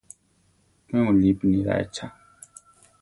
Pe mulípi niráa ichá.